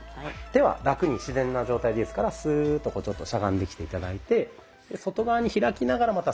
手はラクに自然な状態でいいですからスーッとこうしゃがんできて頂いて外側に開きながらまたスーッと上がる感じ。